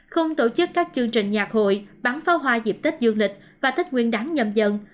không tổ chức các chương trình nhạc hội bán pháo hoa dịp tết dương lịch và tết nguyên đáng nhầm dân